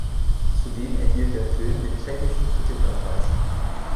Zudem erhielt der Film den tschechischen Kritikerpreis.